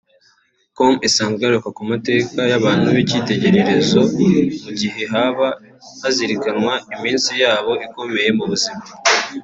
com isanzwe igaruka ku mateka y’abantu b’ikitegererezo mu gihe haba hazirikanwa iminsi yabo ikomeye mu buzima